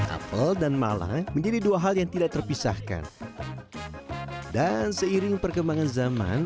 apel dan mala menjadi dua hal yang tidak terpisahkan dan seiring perkembangan zaman